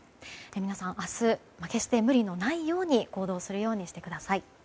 皆さん、明日決して無理のないように行動するようにしてください。